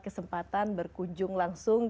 kesempatan berkunjung langsung